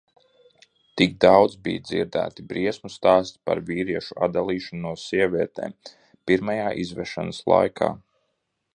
Tik daudz bija dzirdēti briesmu stāsti par vīriešu atdalīšanu no sievietēm pirmajā izvešanas laikā.